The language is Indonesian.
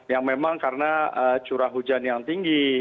yang memang karena curah hujan yang tinggi